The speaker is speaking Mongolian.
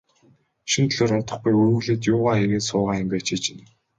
Шөнө дөлөөр унтахгүй, үүрэглээд юугаа хийгээд суугаа юм бэ, чи чинь.